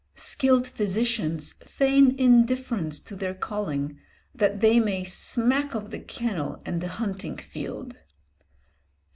Skilled physicians feign indifference to their calling that they may smack of the kennel and the hunting field.